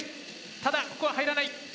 ただここは入らない。